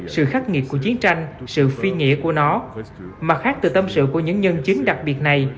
sự khắc nghiệt của chiến tranh sự phi nghĩa của nó mặt khác từ tâm sự của những nhân chứng đặc biệt này